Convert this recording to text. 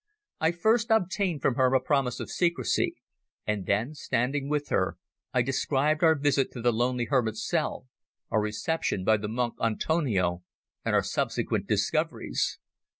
I first obtained from her a promise of secrecy, and then, standing with her, I described our visit to the lonely hermit's cell, our reception by the monk Antonio, and our subsequent discoveries.